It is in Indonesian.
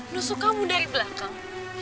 nusuk kamu dari belakang